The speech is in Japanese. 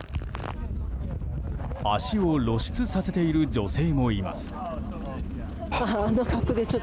足を露出させている女性もいます。